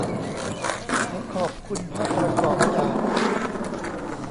ขอขอบคุณภาพประกอบจาก